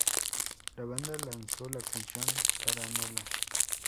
La banda lanzó la canción "Paranoia!